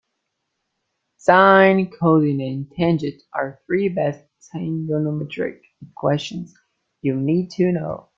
Sine, cosine and tangent are three basic trigonometric equations you'll need to know.